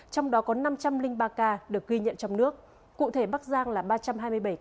trong đó có năm trăm linh ba ca được ghi nhận trong nước cụ thể bắc giang là ba trăm hai mươi bảy ca